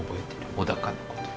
小高のこと。